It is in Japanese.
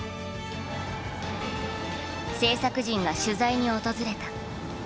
制作陣が取材に訪れた。